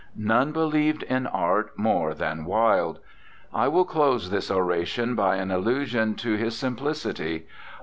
None believed in Art more than Wilde. I will close this oration by an illusion to his simplicity.